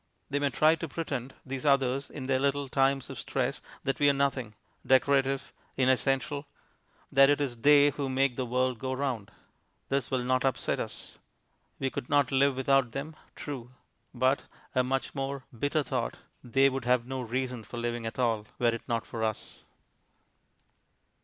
They may try to pretend, these others, in their little times of stress, that we are nothing decorative, inessential; that it is they who make the world go round. This will not upset us. We could not live without them; true. But (a much more bitter thought) they would have no reason for living at all, were it not for us.